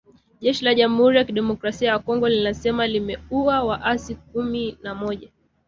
Jeshi la jamhuri ya kidemokrasia ya Kongo linasema limeua waasi kumina moja